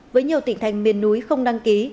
với nhiều tỉnh thành miền núi không đăng ký